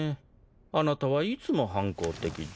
あなたはいつも反抗的だ。